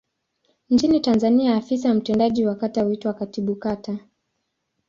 Nchini Tanzania afisa mtendaji wa kata huitwa Katibu Kata.